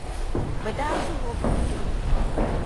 Bɛ daa zuhi o bindirigu.